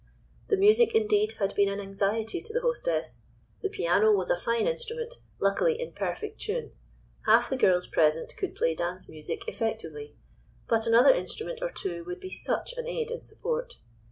The music, indeed, had been an anxiety to the hostess. The piano was a fine instrument, luckily in perfect tune. Half the girls present could play dance music effectively. But another instrument or two would be such an aid in support.